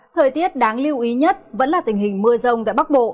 thời tiết đáng lưu ý nhất vẫn là tình hình mưa rông tại bắc bộ